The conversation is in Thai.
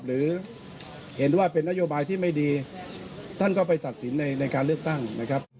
หรือเห็นว่าเป็นนโยบายที่ไม่ดีท่านก็ไปตัดสินในการเลือกตั้งนะครับ